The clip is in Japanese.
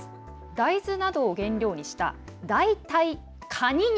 大豆などを原料にした代替かに肉。